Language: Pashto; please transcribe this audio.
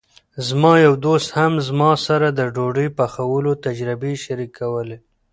زما یو دوست هم زما سره د ډوډۍ پخولو تجربې شریکولې.